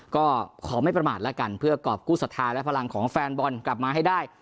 ก็ขอไม่ประมาทแล้วกันเพื่อกรอบกู้ศรัทธาและพลังของแฟนบอลกลับมาให้ได้